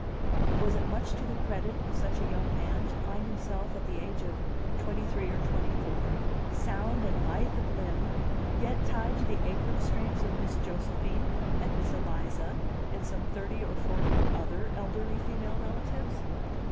Was it much to the credit of such a young man to find himself at the age of twenty three or twenty four, sound and lithe of limb, yet tied to the apron strings of Miss Josephine, and Miss Eliza, and some thirty or forty other elderly female relatives?